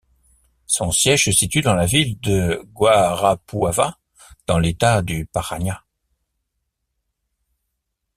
Son siège se situe dans la ville de Guarapuava, dans l'État du Paraná.